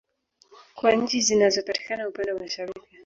Kwa nchi zinazo patikana upande wa Mashariki